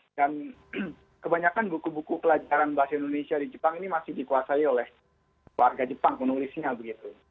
dan kebanyakan buku buku pelajaran bahasa indonesia di jepang ini masih dikuasai oleh warga jepang penulisnya begitu